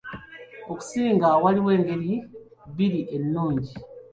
Okusinga waliwo engeri bbiri ennungi.